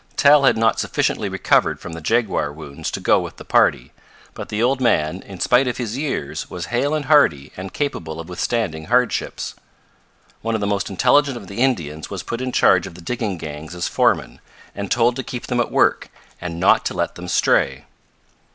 Tal had not sufficiently recovered from the jaguar wounds to go with the party, but the old man, in spite of his years, was hale and hearty and capable of withstanding hardships. One of the most intelligent of the Indians was put in charge of the digging gangs as foreman, and told to keep them at work, and not to let them stray.